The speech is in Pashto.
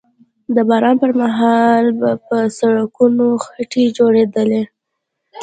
د باران پر مهال به په سړکونو خټې جوړېدلې